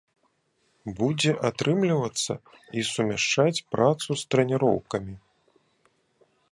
Будзе атрымлівацца і сумяшчаць працу з трэніроўкамі.